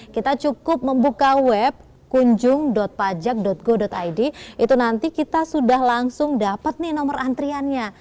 kita cukup membuka web kunjung pajak go id itu nanti kita sudah langsung dapat nih nomor antriannya